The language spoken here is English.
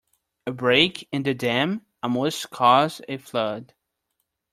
A break in the dam almost caused a flood.